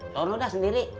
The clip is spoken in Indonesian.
lo udah sendiri